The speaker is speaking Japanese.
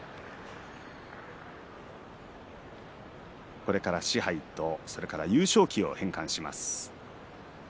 これから賜盃とそれから優勝旗を返還します。